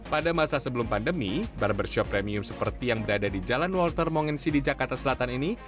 pada masa sebelum pandemi barbershop premium seperti yang berada di jalan walter mongensi di jakarta selatan ini